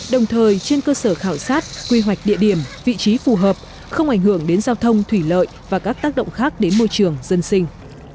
đồng thời trên cơ sở khảo sát quy hoạch địa điểm vị trí phù hợp không ảnh hưởng đến giao thông thủy lợi và các tác động khác đến môi trường dân sinh